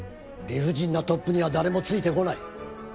理不尽なトップには誰もついてこない。